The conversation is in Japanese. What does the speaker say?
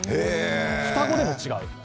双子でも違う。